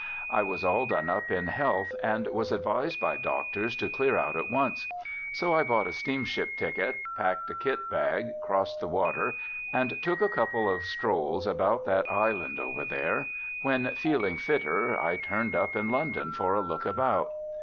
I was all done up in health and was advised by doctors to clear out at once. So I bought a steamship ticket, packed a kit bag, crossed the water and took a couple of strolls about that island over there; when, feeling fitter, I turned up in London for a look about.